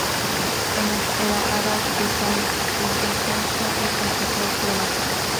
Amat era abad de san Ildefonso y confesor real.